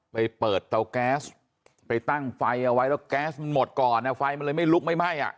ไปเปิดเตาแก๊สไปตั้งไฟเอาไว้แล้วแก๊สมันหมดก่อนไฟมันเลยไม่ลุกไม่ไหม้อ่ะ